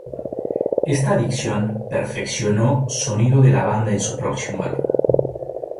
Esta adición perfeccionó sonido de la banda en su próximo álbum.